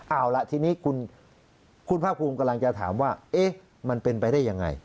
เอาล่ะทีนี้คุณภาคภูมิกำลังจะถามว่ามันเป็นไปได้ยังไง